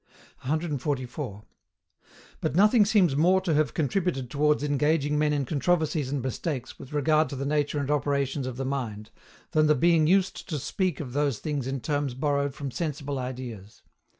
144. But, nothing seems more to have contributed towards engaging men in controversies and mistakes with regard to the nature and operations of the mind, than the being used to speak of those things in terms borrowed from sensible ideas.